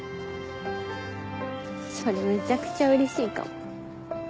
それむちゃくちゃうれしいかも。